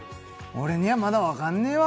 俺にはまだわがんねえわ